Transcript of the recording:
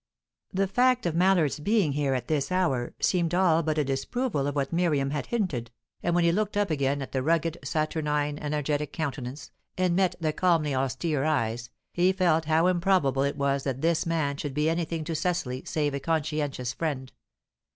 The fact of Mallard's being here at this hour seemed all but a disproval of what Miriam had hinted, and when he looked up again at the rugged, saturnine, energetic countenance, and met the calmly austere eyes, he felt how improbable it was that this man should be anything to Cecily save a conscientious friend.